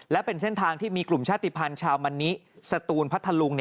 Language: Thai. และเป็นเส้นทางที่มีกลุ่มชาติภัณฑ์ชาวมันนิสตูนพัทธลุง